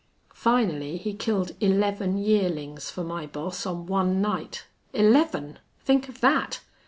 Finally he killed eleven yearlings for my boss on one night. Eleven! Think of that.